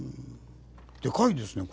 でかいですね。